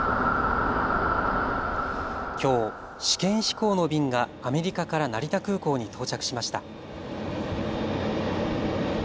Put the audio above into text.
きょう試験飛行の便がアメリカから成田空港に到着しました。